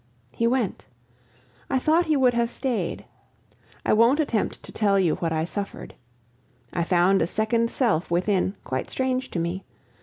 He went; I thought he would have stayed. I won't attempt to tell you what I suffered. I found a second self within, quite strange to me.